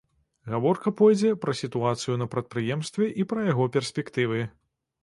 Гаворка пойдзе пра сітуацыю на прадпрыемстве і пра яго перспектывы.